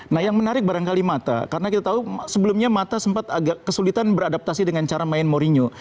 nah yang menarik barangkali mata karena kita tahu sebelumnya mata sempat agak kesulitan beradaptasi dengan cara main mourinho